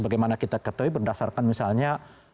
bagaimana kita ketahui berdasarkan misalnya